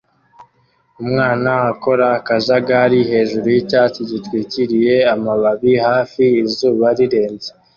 Umwana akora akajagari hejuru yicyatsi gitwikiriye amababi hafi izuba rirenze